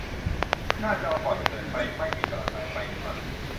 หน้าจอก่อนเกิดไฟไหม้มีประกายไฟขึ้นมา